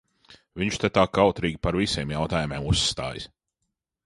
Viņš te tā kautrīgi par visiem jautājumiem uzstājas.